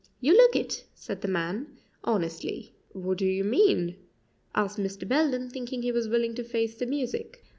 "You look it," said the man honestly. "What do you mean?" asked Mr. Belden, thinking he was willing to face the music.